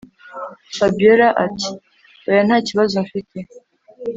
fabiora ati”hoya ntakibazo mfite